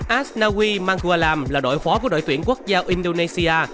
asnawi magualam là đội phó của đội tuyển quốc gia indonesia